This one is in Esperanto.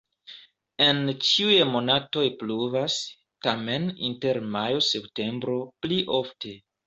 En ĉiuj monatoj pluvas, tamen inter majo-septembro pli ofte.